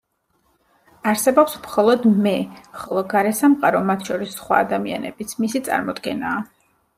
არსებობს მხოლოდ „მე“, ხოლო გარესამყარო, მათ შორის სხვა ადამიანებიც, მისი წარმოდგენაა.